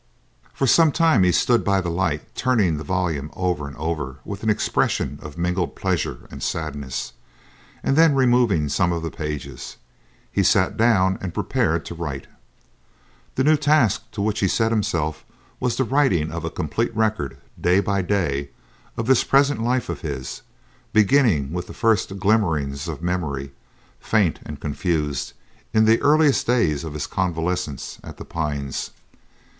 For some time he stood by the light, turning the volume over and over with an expression of mingled pleasure and sadness; then removing some of the pages, he sat down and prepared to write. The new task to which he had set himself was the writing of a complete record, day by day, of this present life of his, beginning with the first glimmerings of memory, faint and confused, in the earliest days of his convalescence at The Pines.